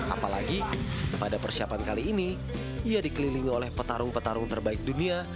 apalagi pada persiapan kali ini ia dikelilingi oleh petarung petarung terbaik dunia